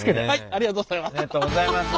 ありがとうございます。